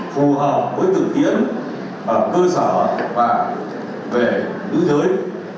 phù hợp với thực tiễn cơ sở và về nữ giới